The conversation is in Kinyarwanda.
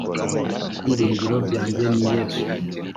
byiringiro byanjye ni Yesu